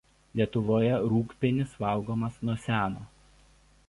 Lietuvoje rūgpienis valgomas nuo seno.